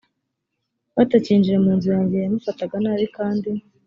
batacyinjira mu nzu yanjye yamufataga nabi kandi